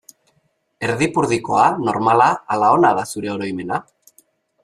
Erdipurdikoa, normala ala ona da zure oroimena?